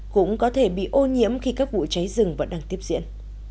cũng có thể bị ô nhiễm khi các vụ cháy rừng vẫn đang tiếp diễn